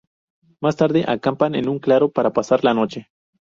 Más tarde acampan en un claro para pasar la noche.